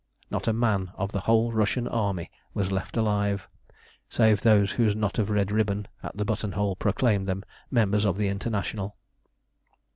Not a man of the whole Russian army was left alive, save those whose knot of red ribbon at the button hole proclaimed them members of the International.